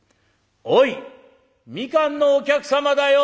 おい蜜柑のお客様だよ！」。